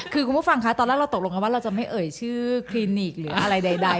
คือคุณผู้ฟังคะตอนแรกเราตกลงกันว่าเราจะไม่เอ่ยชื่อคลินิกหรืออะไรใด